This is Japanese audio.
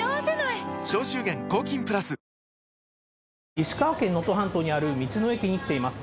石川県能登半島にある道の駅に来ています。